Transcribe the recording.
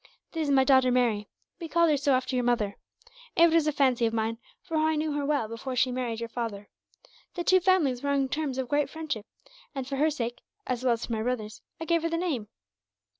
"This is my daughter Mary. We called her so after your mother. It was a fancy of mine, for I knew her well before she married your father. The two families were on terms of great friendship, and for her sake, as well as for my brother's, I gave her the name."